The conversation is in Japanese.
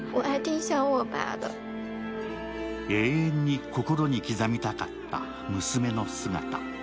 永遠に心に刻みたかった娘の姿。